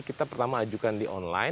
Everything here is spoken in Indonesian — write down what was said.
kita pertama ajukan di online